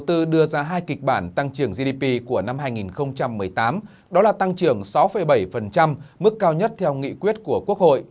đầu tư đưa ra hai kịch bản tăng trưởng gdp của năm hai nghìn một mươi tám đó là tăng trưởng sáu bảy mức cao nhất theo nghị quyết của quốc hội